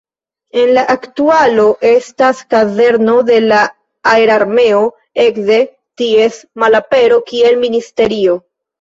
En la aktualo estas kazerno de la Aer-Armeo, ekde ties malapero kiel ministerio.